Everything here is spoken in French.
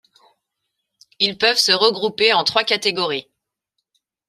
Ils peuvent se regrouper en trois catégories.